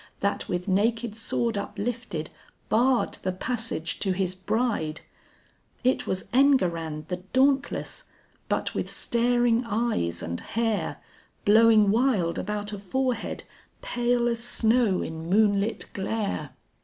That with naked sword uplifted barred the passage to his bride; It was Enguerrand the dauntless, but with staring eyes and hair Blowing wild about a forehead pale as snow in moonlit glare.